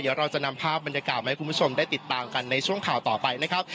เดี๋ยวเราจะนำภาพบรรยากาศมาให้คุณผู้ชมได้ติดตามกันในช่วงข่าวต่อไปนะครับ